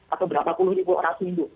atau berapa puluh ribu orang seminggu